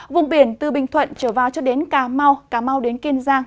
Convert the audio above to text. vùng biển từ bình thuận trở vào cho đến cà mau cà mau đến kiên giang